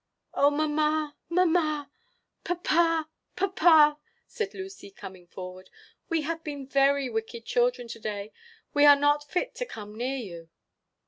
"Oh, mamma, mamma! papa, papa!" said Lucy, coming forward, "we have been very wicked children to day; we are not fit to come near you."